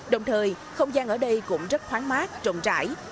đồng thời không gian ở đây cũng rất khoáng mát rộng rãi